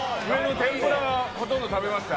天ぷらはほとんど食べました。